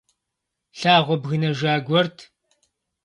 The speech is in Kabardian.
Лъагъуэ бгынэжа гуэрт.